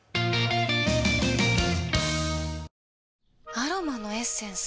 アロマのエッセンス？